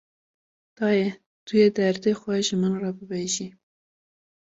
Dayê, tu yê derdê xwe ji min re bibêjî